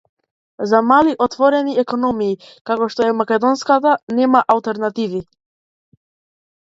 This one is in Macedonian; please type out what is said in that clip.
За мали отворени економии како што е македонската, нема алтернативи